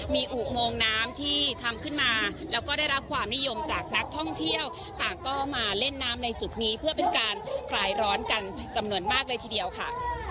มีอุโมงน้ำที่ทำขึ้นมาแล้วก็ได้รับความนิยมจากนักท่องเที่ยวต่างก็มาเล่นน้ำในจุดนี้เพื่อเป็นการคลายร้อนกันจำนวนมากเลยทีเดียวค่ะ